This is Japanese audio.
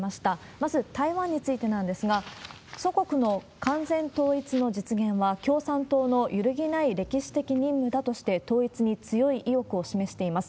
まず台湾についてなんですが、祖国の完全統一の実現は共産党の揺るぎない歴史的任務だとして、統一に強い意欲を示しています。